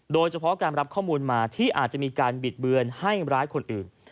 โดยเฉพาะการรับข้อมูลมาที่อาจจะมีการบิดเบือนให้ร้ายคนอื่น